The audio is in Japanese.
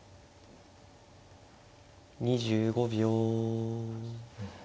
２５秒。